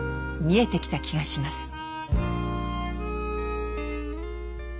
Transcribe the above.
見えてきた気がします。